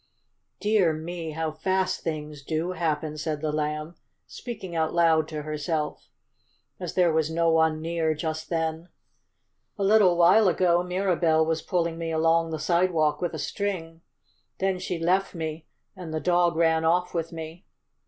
"Dear me! how fast things do happen," said the Lamb, speaking out loud to herself, as there was no one near just then. "A little while ago Mirabell was pulling me along the sidewalk with a string. Then she left me and the dog ran off with me.